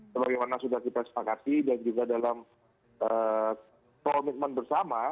sebagai mana sudah dipersyakasi dan juga dalam komitmen bersama